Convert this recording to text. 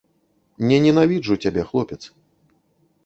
Не ненавіджу цябе, хлопец.